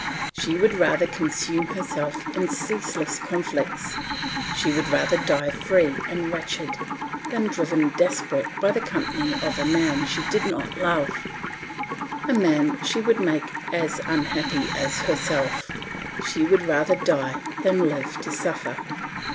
She would rather consume herself in ceaseless conflicts, she would rather die free and wretched, than driven desperate by the company of a man she did not love, a man she would make as unhappy as herself; she would rather die than live to suffer."